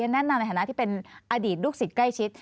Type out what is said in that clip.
แนะนำในฐานะที่เป็นอดีตลูกศิษย์ใกล้ชิด